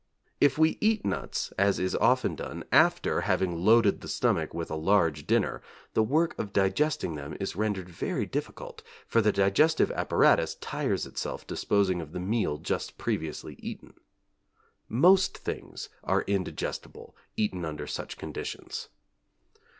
If we eat nuts, as is often done, after having loaded the stomach with a large dinner, the work of digesting them is rendered very difficult, for the digestive apparatus tires itself disposing of the meal just previously eaten. Most things are indigestible eaten under such conditions.